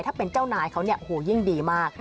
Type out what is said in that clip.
ถ้าเป็นเจ้านายเขาเนี่ยโอ้โหยิ่งดีมาก